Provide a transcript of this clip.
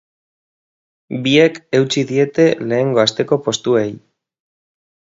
Biek eutsi diete lehengo asteko postuei.